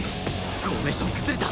フォーメーション崩れた！